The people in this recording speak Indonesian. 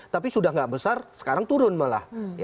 tapi sudah tidak besar sekarang turun malah